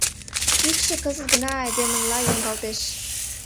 Йӱкшӧ кызыт гына айдемынла йоҥгалтеш.